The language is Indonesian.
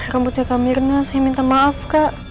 rambutnya kak mirna saya minta maaf kak